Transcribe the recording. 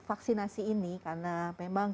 vaksinasi ini karena memang